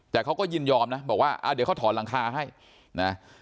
แต่เขาก็ยินยอมนะบอกว่าอ่าเดี๋ยวเขาถอนหลังคาให้นะ